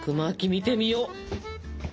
見てみよう！